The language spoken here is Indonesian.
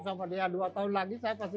setelah saya sparing dia